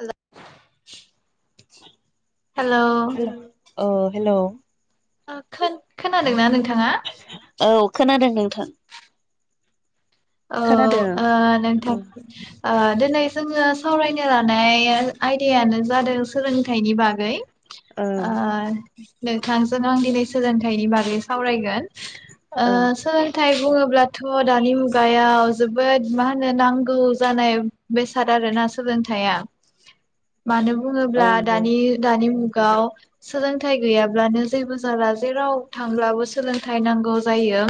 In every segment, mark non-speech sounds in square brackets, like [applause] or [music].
आलदा hello hello औ hello ओ खोन खोनादोंना नोंथाङा औ खोनादों नोंथां औ खोनादों ओ नोंथां औ ओ दिनै जोङो सावरायनो लानाया आयदायानो जादों सोलोंथाइनि बागै औ ओ नोंथांजों आं दिनै सोलोंथाइनि बागै सावरायगोन ओ औ सोलोंथाइ बुङोब्ला थ दानि मुग गायाव जोबोद मा होनो नांगौ जानाय बेसाद आरोना सोलोंथाया मानो औ बुङोब्ला नंगौ दानि दानि मुग गाव सोलोंथाइ गैयाब्लानो जेबो जाला जेराव थांब्लाबो सोलोंथाइ नांगौ जायो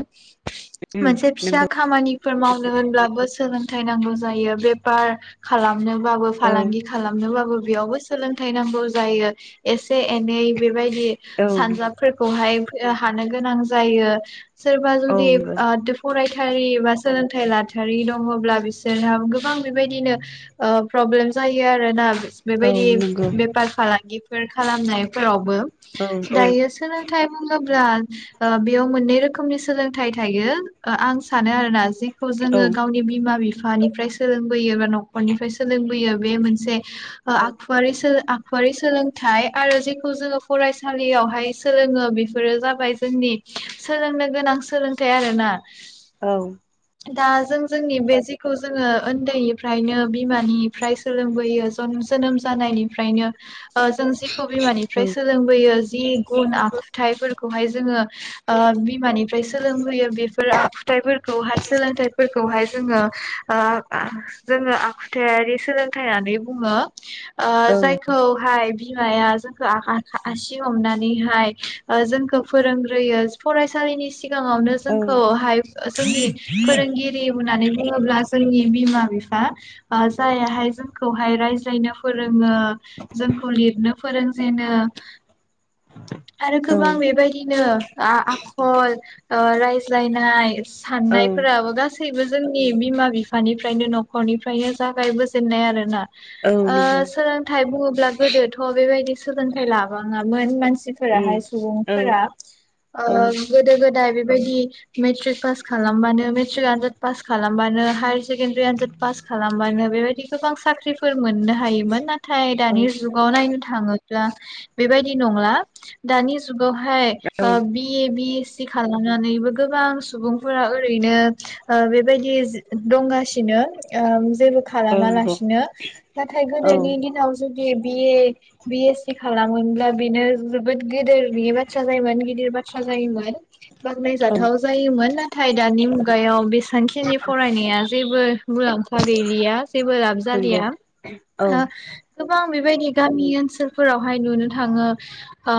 उम मोनसे फिसा नंगौ खामानि फोर मावनो होनब्लाबो सोलोंथाइ नांगौ जायो बेफार खालाम नोबाबो औ फालांगि खालामनोबाबो बेयावबो सोलोंथाइ नांगौ जायो एस एसे एनै बेबायदि औ नंगौ सानजाबफोरखौहाय हानो गोनां जायो सोरबा औ जुदि नंगौ ओ साय बास सोलोंथाइ लाथारि दङब्ला बिसोरहा गोबां बेबायदिनो प्रब्लेम जायो आरोना औ बेबायदि नंगौ बेफार फालांगिफोर खालामनायफोरावबो औ औ दायो सोलोंथाइ बुं बेयाव मोननै रोखोमनि सोलोंथाइ थायो आं सानो आरोना जेखौ जोङो गावनि बिमा बिफा बिफानिफ्राय सों न'खरनिफ्राय सोलोंबोयो बे मोनसे आखुआरि सोलों आखुआरि सोलोंथाइ आरो जेखौ जोङो फरायसालियावहाय सोलोङो बेफोरो जाबाय जोंनि सोलोंनो गोनां सोलोंथाइ आरोना औ दा जों जोंनि बे जिखौ जोङो उन्दैनिफ्रायनो बिमानिफ्राय सोलोंबोयो जोनोम जानायनिफ्रायनो जों जिखौ बिमानिफ्राय सोलोंबोयो जि गुन आखुथायाइफोरखौहाय जोङो बिमानिफ्राय सोलोंबोयो बेफोर आखुथाइफोरखौ हाय जोङो जोङो ओ आखुथायारि सोलोंथाइ होननानै बुङो ओ औ जायखौ हाय बिमाया जोंखौ आसि हमनानैहाय जोंखौ फोरोंग्रोयो फरायसालिनि सिगाङावनो औ जोंखौहाय जोंनि फोरोंगिरि होननानै बुङोब्ला जोंनि बिमा बिफा जायाहाय जोंखौहाय रायज्लायनो फोरों जोंखौ लिरनो फोरोंजेनो आरो गोबां बेबायदिनो आ आखल ओ रायज्लायनाय औ साननायफोराबो गासैबो जोंनि बिमा बिफानिफ्रायनो न'खरनिफ्रायनो जागायबोजेननाय आरो ना औ नंगौ सोलोंथाइ बुङोब्ला गोदोथ' बेबायदि सोलोंथाइ लाबाङामोन मानसि उम माहाय औ सुबुंफोरा़ ओ औ गोदो गोदाय बिदि मेट्रिक फास खालामबानो मेट्रिक आनजाद पास खालामबानो हायार सेकेण्डारि आनजाद पास खालामबानो बेबायदि गोबां साख्रिफोर मोननो थायोमोन नाथाय औ दानि जुगाव नायनो थाखाय थाङोबा बेबायदि नंला दानि गहाय औ बिए बि खालामनानैबो गोबां सुबुंफोरा ओ ओरैनो बेबायदि दंगासिनो ओ जेबो औ नंगौ खालामालासिनो नाथाय औ गोदोनि दिनाव जुदि बि ए बि एस सि खालामोनब्ला बेनो जोबोद गेदेर बि बाथ्रा जायोमोन गिदिर बाथ्रा जायोमोन औ बाखनायजाथाव जायोमोन नाथाय नाथाय दानि मुगायाव बेसेबांखिनि फरायनाया जेबो मुलाम्फा गैलिया जेबो लाब नंगौ जालिया औ गोबां बेबायदि गामि ओनसोलफोरावहाय नुनो थाङो ओ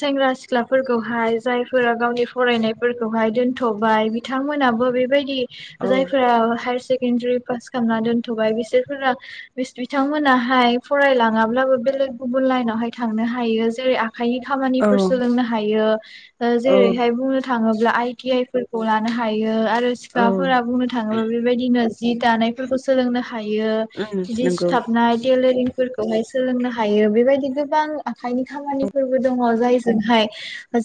सेंग्रा सिख्लाफोरखौहाय जायफोरा गावनि फरायनायफोरखौहायूतू थ'बाय बिथांमोनाबो बेबायदि औ औ जायफोरा हायार से सेकडारि पास खालामना दोनथ'बाय बिसोरफोरा बिथांमोनाहाय फरायलाङाब्लाबो बेलेग गुबुन लाइनावहाय थांनो हायो जेरै आखायनि खामानिफोर उम सोलोंनो हायो [inaudible] जेरैहाय बुंनो थाङोब्ला आइ ति आइ फोरखौ लानो हायो आरो सिख्लाफोरा बुंनो थाङोब्ला बेबायदिनो जि दानायफोरखौ सोलोंनो हायो जिदि नंगौ सिुथाबनायेलेर फोरखौहाय सोलोंनो हायो बेबायदि गोबां आखाइनि खामानिफोरबो दङ जाय जोंहाय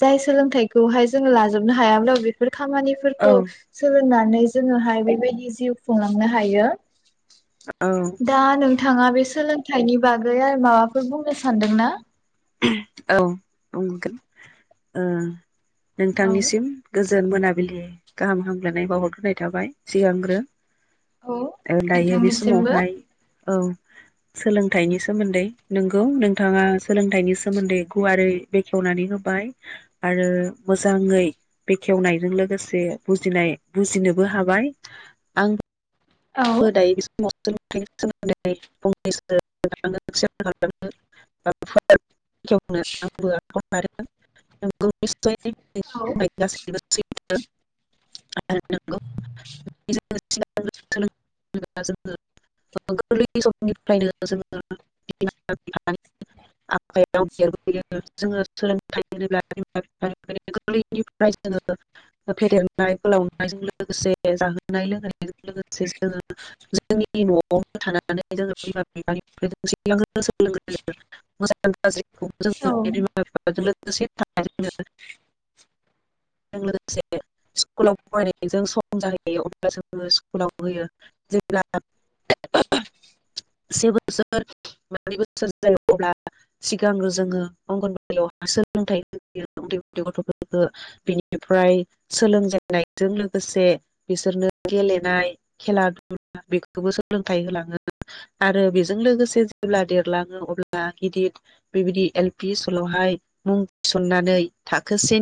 जाय सोलोंथाइखौहाय जोङो लाजोबनो हायाब्ला खामानिफोरखौ सोलों नानै जोङोहाय बेबायदि जिउ खुंलांनो हायो औ दान नोंथाङा बे सोलोंथाइनि बागै आरो माबाफोर बुंनो सानदों ना औ नगोन औ नोंथांनिसिम गोजोन गो जोन मोनाबिलि गाहाम हामगलायनाय बावहरग्रोनाय थाबाय सिगांग्रो औ दायो बे नोंथांनिसिमबो समावहाय औ सोलोंथाइनि सोमोन्दै नोंगौ नोंथाङा सों खथाइनि सोमोन्दै गुवारै बेखेवनानै होबाय आरो मोजाङै बेखेवनायजों लोगोसे बुजिनाय बुजिनोबो हाबाय आं दायो [unintelligible] [unintelligible] [unintelligible] [unintelligible] औ औ [unintelligible] [unintelligible] नाय फोलावनायजों लोगोसे जाहोनाय लोंहोनायजों लोगोसे जोङो जोंनि न'आवनो थानानै जोङो बिमा बिफानिफ्राय सोलोंगोरो। मोजां गाज्रि औ। [unintelligible] थाङो जों लोगोसे स्कुलाव फरायनायजों सम जाहैयो अब्ला जोंबो स्कुलाव होयो जेब्ला से बोसोर बा ब्रै बोसोर जायो अब्ला सिगांग्रो जोङो अंगनबादियावहा सोलोंथाइ होयो उन्दै उन्दै गथ'फोरखौ बेनिफ्राय सोलोंजेननायजों लोगोसे बिसोरनो गेलेनाय खेला-दुला बेखौबो सोलोंथाइ होलाङो आरो बेजों लोगोसे जेब्ला देरलाङो अब्ला गिदिर बेबायदि एल पि स्कुलावहाय मुं थिसननानै थाखो से